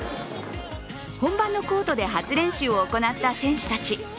本番のコートで初練習を行った選手たち。